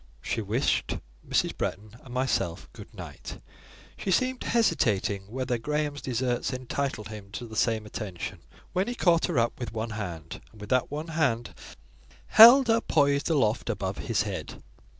She wished Mrs. Bretton and myself good night; she seemed hesitating whether Graham's deserts entitled him to the same attention, when he caught her up with one hand, and with that one hand held her poised aloft above his head.